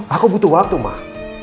aku butuh waktu mah